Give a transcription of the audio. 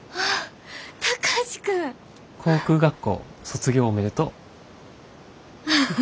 航空学校卒業おめでとう。